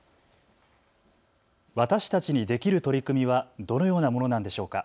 私たちにできる取り組みはどのようなものなんでしょうか。